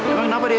emang kenapa dia